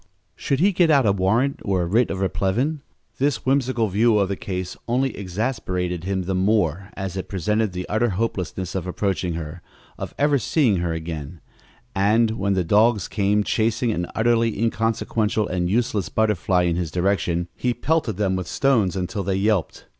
Should he get out a search warrant or a writ of replevin? This whimsical view of the case only exasperated him the more as it presented the utter hopelessness of approaching her of ever seeing her again and, when the dogs came chasing an utterly inconsequential and useless butterfly in his direction, he pelted them with stones until they yelped.